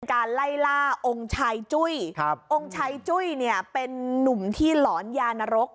การไล่ล่าองค์ชายจุ้ยองค์ชายจุ้ยเนี่ยเป็นนุ่มที่หลอนยานรก